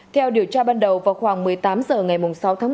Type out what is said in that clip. theo điều tra ban đầu vào khoảng một mươi tám h ngày sáu tháng bảy